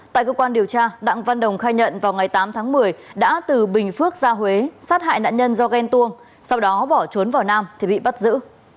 tại cơ quan điều tra đặng văn đồng khai nhận vào ngày tám tháng một mươi đã từ bình phước ra huế sát hại nạn nhân do ghen tuông sau đó bỏ trốn vào nam thì bị bắt giữ